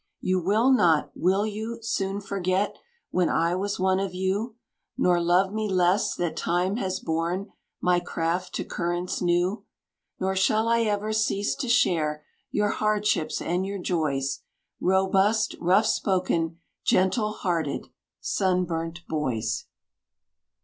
You will not will you? soon forget When I was one of you, Nor love me less that time has borne My craft to currents new; Nor shall I ever cease to share Your hardships and your joys, Robust, rough spoken, gentle hearted Sunburnt boys!